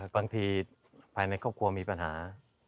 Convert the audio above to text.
ภายในครอบครัวมีปัญหา